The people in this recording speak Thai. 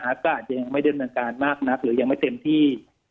อากาศยังไม่ดำเนินการมากนักหรือยังไม่เต็มที่